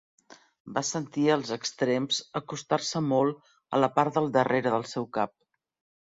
Va sentir els extrems acostar-se molt a la part del darrere del seu cap.